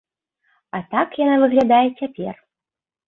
А так яна выглядае цяпер.